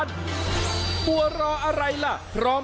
สวัสดีครับคุณพี่สวัสดีครับ